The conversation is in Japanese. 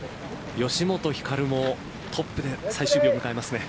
吉本ひかるもトップで最終日を迎えますね。